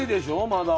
まだ。